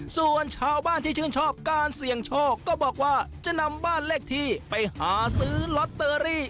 ส่วนชาวบ้านที่ชื่นชอบการเสี่ยงโชคก็บอกว่าจะนำบ้านเลขที่ไปหาซื้อลอตเตอรี่